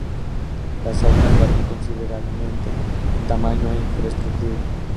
Las saunas varían considerablemente en tamaño e infraestructura.